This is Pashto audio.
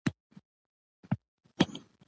د افغانستان ولایتونه د هېواد د طبیعت برخه ده.